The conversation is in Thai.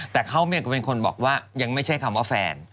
แต่เขาก็เป็นคนบอกว่ายังไม่ใช่คำว่าแฟน